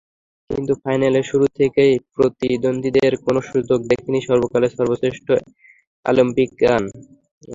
কিন্তু ফাইনালে শুরু থেকেই প্রতিদ্বন্দ্বীদের কোনো সুযোগ দেননি সর্বকালের সর্বশ্রেষ্ঠ অলিম্পিয়ান।